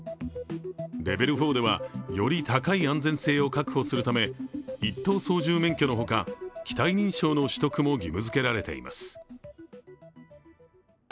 レベル４ではより高い安全性を確保するため１等操縦免許のほか機体認証の取得も義務づけられています。